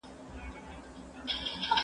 چي مي ښکار وي په هر ځای کي پیداکړی